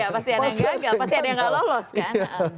pasti ada yang gak lolos kan